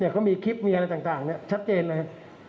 เขามีคลิปมีอะไรต่างชัดเจนเลย